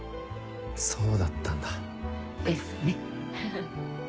そうだったんだ。ですねフフっ。